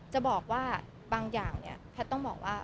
จะบอกว่าบางอย่างเนี่ยแพทย์ต้องบอกว่า